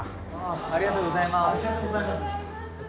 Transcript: ありがとうございます。